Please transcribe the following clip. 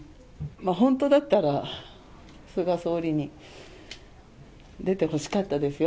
本当だったら、菅総理に出てほしかったですよ。